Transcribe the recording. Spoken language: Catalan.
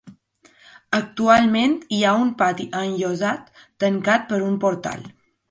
Actualment hi ha un pati enllosat tancat per un portal.